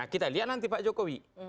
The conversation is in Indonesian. kita lihat nanti pak jokowi